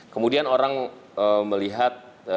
kemudian orang melihat